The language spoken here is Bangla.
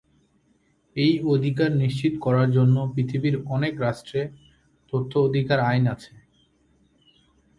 এই অধিকার নিশ্চিত করার জন্য পৃথিবীর অনেক রাষ্ট্রে তথ্য অধিকার আইন আছে।